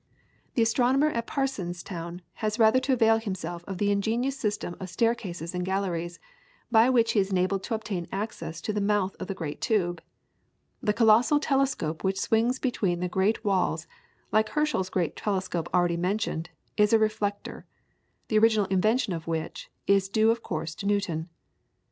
The astronomer at Parsonstown has rather to avail himself of the ingenious system of staircases and galleries, by which he is enabled to obtain access to the mouth of the great tube. The colossal telescope which swings between the great walls, like Herschel's great telescope already mentioned, is a reflector, the original invention of which is due of course to Newton.